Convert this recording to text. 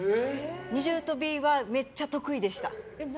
二重跳びはめっちゃ得意でした。